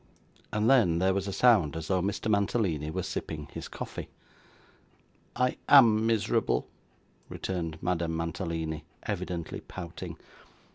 And then, there was a sound as though Mr. Mantalini were sipping his coffee. 'I AM miserable,' returned Madame Mantalini, evidently pouting.